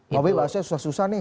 tapi bahasanya susah susah nih